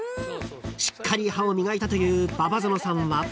［しっかり歯を磨いたという馬場園さんは］